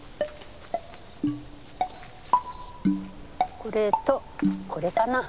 これとこれかな。